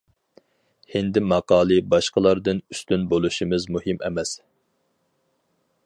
ھىندى ماقالى-باشقىلاردىن ئۈستۈن بولۇشىمىز مۇھىم ئەمەس.